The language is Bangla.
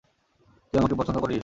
তুই আমাকে পছন্দ করিস?